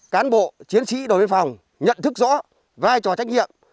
cán bộ chiến sĩ đồn biên phòng nhận thức rõ vai trò trách nhiệm